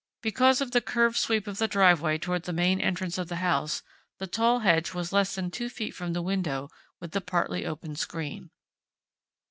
Because of the curved sweep of the driveway toward the main entrance of the house, the tall hedge was less than two feet from the window with the partly opened screen.